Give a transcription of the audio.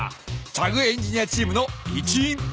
チャグ・エンジニアチームの一員。